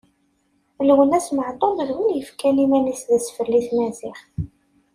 Lwennas Meɛtub d win yefkan iman-is d asfel i tmaziɣt.